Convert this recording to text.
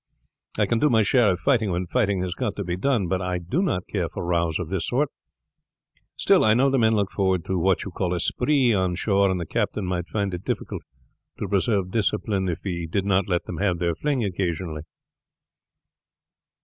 I can do my share of fighting when fighting has got to be done, but I do not care for rows of this sort. Still I know the men look forward to what you call a spree on shore, and the captain might find it difficult to preserve discipline if he did not let them have their fling occasionally."